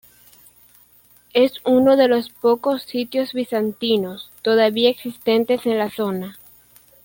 Es uno de los pocos sitios bizantinos todavía existentes en la zona.